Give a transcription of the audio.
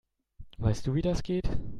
Weißt du, wie das geht?